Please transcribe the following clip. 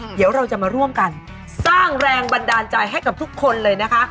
เดี๋ยวเราจะมาร่วมกันสร้างแรงบันดาลใจให้กับทุกคนเลยนะคะ